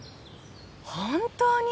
本当に？